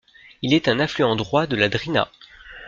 Il est un affluent droit de la Drina.